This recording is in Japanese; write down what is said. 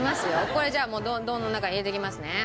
これじゃあ丼の中に入れていきますね。